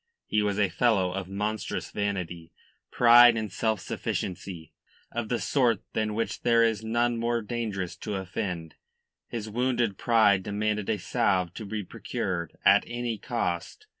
He was a fellow of monstrous vanity, pride and self sufficiency, of the sort than which there is none more dangerous to offend. His wounded pride demanded a salve to be procured at any cost.